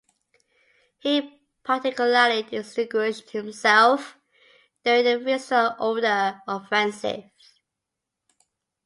He particularly distinguished himself during the Vistula–Oder offensive.